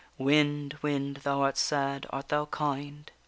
_Wind, wind! thou art sad, art thou kind?